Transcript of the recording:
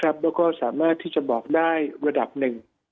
แล้วก็สามารถที่จะบอกได้ระดับหนึ่ง